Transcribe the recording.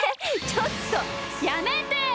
ちょっと、やめてよ！